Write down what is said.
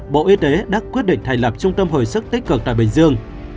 bộ y tế đã quyết định thành lập trung tâm hồi sức tích cực tại bình dương